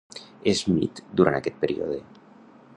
Smith durant aquest període.